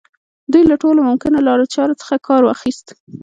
دوی له ټولو ممکنو لارو چارو څخه کار واخيست.